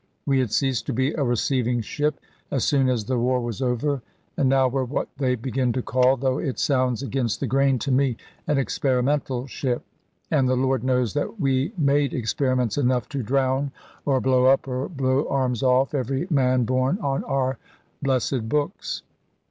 We had ceased to be a receiving ship, as soon as the war was over, and now were what they begin to call though it sounds against the grain to me an "Experimental Ship." And the Lord knows that we made experiments enough to drown, or blow up, or blow arms off, every man borne on our blessed books.